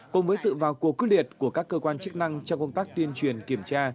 cùng với sự vào cuộc quyết liệt của các cơ quan chức năng trong công tác tuyên truyền kiểm tra